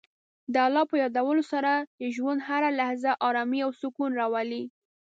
د الله په یادولو سره د ژوند هره لحظه ارامۍ او سکون راولي.